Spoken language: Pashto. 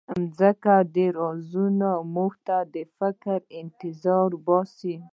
د ځمکې دا رازونه زموږ د فکر انتظار باسي.